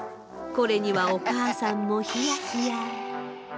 これにはお母さんもヒヤヒヤ。